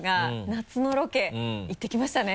夏のロケ行ってきましたね。